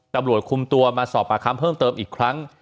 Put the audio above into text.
ตำรวจคุมตัวมาสอบปากคำเพิ่มเติมอีกครั้ง